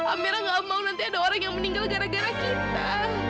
amera gak mau nanti ada orang yang meninggal gara gara kita